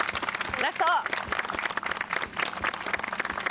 ラスト。